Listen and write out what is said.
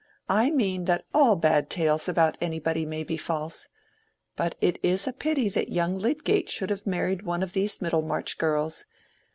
—I mean that all bad tales about anybody may be false. But it is a pity that young Lydgate should have married one of these Middlemarch girls.